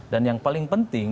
dan yang paling penting